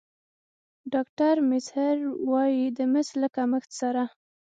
ډاکتر میزهر وايي د مس له کمښت سره